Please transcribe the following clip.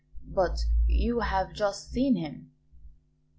"But you have just seen him."